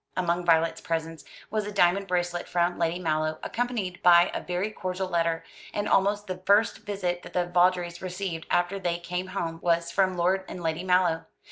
Among Violet's presents was a diamond bracelet from Lady Mallow, accompanied by a very cordial letter; and almost the first visit that the Vawdreys received after they came home was from Lord and Lady Mallow.